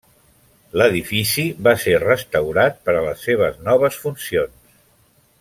L'edifici va ser restaurat per a les seves noves funcions.